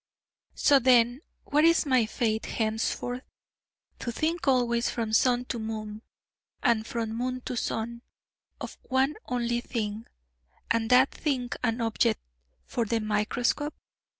So, then, what is my fate henceforth? to think always, from sun to moon, and from moon to sun, of one only thing and that thing an object for the microscope?